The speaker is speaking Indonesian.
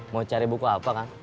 mau cari buku apa kang